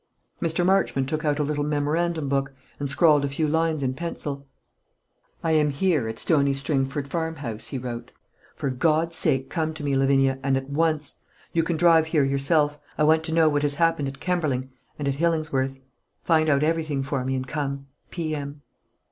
Mr. Marchmont took out a little memorandum book, and scrawled a few lines in pencil: "I am here, at Stony Stringford Farmhouse," he wrote. "For God's sake, come to me, Lavinia, and at once; you can drive here yourself. I want to know what has happened at Kemberling and at Hillingsworth. Find out everything for me, and come. P. M."